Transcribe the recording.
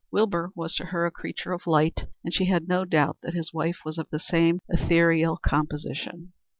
Wilbur was to her a creature of light, and she had no doubt that his wife was of the same ethereal composition.